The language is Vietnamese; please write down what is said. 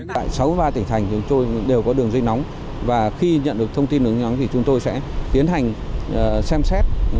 tại sáu mươi ba tỉnh thành chúng tôi đều có đường dây nóng và khi nhận được thông tin ứng nhắn thì chúng tôi sẽ tiến hành xem xét